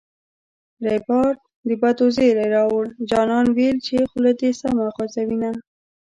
ریبار د بدو زېری راووړـــ جانان ویل چې خوله دې سمه خوزوینه